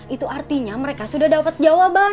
itu artinya mereka sudah dapat jawaban